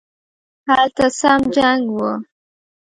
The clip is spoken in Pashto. هلته سم جنګ وو